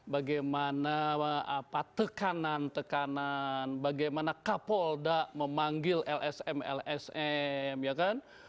bagaimana tekanan tekanan bagaimana kapolda memanggil lsm lsm ya kan